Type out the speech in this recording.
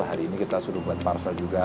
hari ini kita sudah buat parsel juga